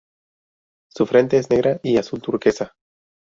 Su frente es negra y azul turquesa.